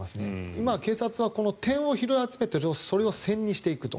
今、警察はこの点を拾い集めてそれを線にしていくと。